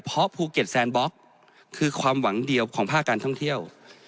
เพราะภูเก็ตแซนบล็อกคือความหวังเดียวของภาคการท่องเที่ยว